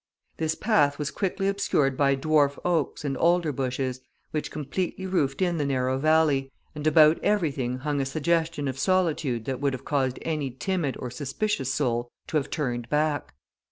This path was quickly obscured by dwarf oaks and alder bushes, which completely roofed in the narrow valley, and about everything hung a suggestion of solitude that would have caused any timid or suspicious soul to have turned back.